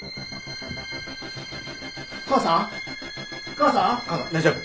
母さん大丈夫？